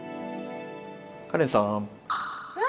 カレンさん。わ！